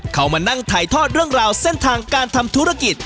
เข้ามานั่งถ่ายทอดเรื่องราวเส้นทางการทำธุรกิจ